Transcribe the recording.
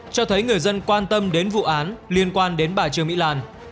cho thấy người dân quan tâm đến vụ án liên quan đến bà trương mỹ lan